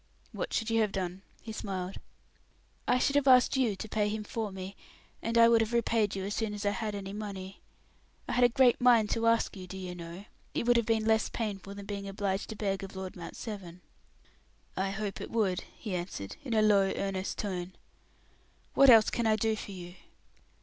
"What should you have done?" he smiled. "I should have asked you to pay him for me, and I would have repaid you as soon as I had any money. I had a great mind to ask you, do you know; it would have been less painful than being obliged to beg of Lord Mount Severn." "I hope it would," he answered, in a low, earnest tone. "What else can I do for you?"